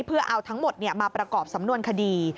เพื่อเอาทั้งหมดมาประกอบสำนวนคดี